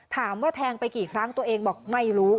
แทงไปกี่ครั้งตัวเองบอกไม่รู้